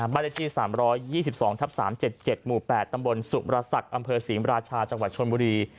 บ้านเลขที่๓๒๒ทับ๓๗๗หมู่๘ตำบลสุมรศักดิ์อำเภอศรีมราชาจังหวัดชนบุรี